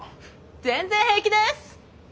全然平気です！